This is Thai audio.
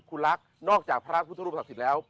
คุณลักษมณฑ์นอกจากพระราชพุดธรุปศักดิ์ศิลป์แล้ว